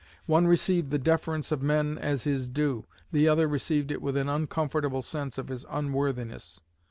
One received the deference of men as his due; the other received it with an uncomfortable sense of his unworthiness.